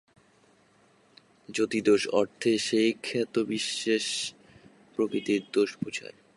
জাতিদোষ-অর্থে সেই খাদ্যবিশেষের প্রকৃতিগত দোষ বুঝায়।